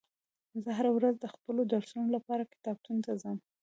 زه هره ورځ د خپلو درسونو لپاره کتابتون ته ځم